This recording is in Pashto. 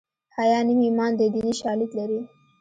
حیا نیم ایمان دی دیني شالید لري